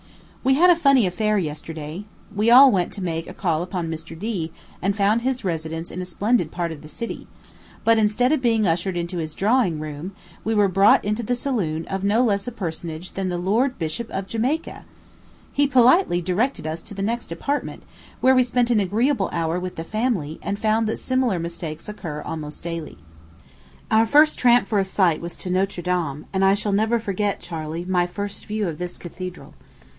We had a funny affair yesterday. We all went to make a call upon Mr. D , and found his residence in a splendid part of the city; but, instead of being ushered into his drawing room, we were brought into the saloon of no less a personage than the Lord Bishop of Jamaica! He politely directed us to the next apartment, where we spent an agreeable hour with the family, and found that similar mistakes occur almost daily. Our first tramp for a sight was to Notre Dame; and I shall never forget, Charley, my first view of this cathedral.